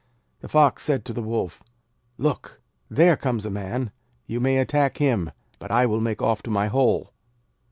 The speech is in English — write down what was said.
The Fox said to the Wolf, 'Look! There comes a Man. You may attack him, but I will make off to my hole!'